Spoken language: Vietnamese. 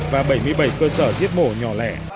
và bảy mươi bảy cơ sở giết mổ nhỏ lẻ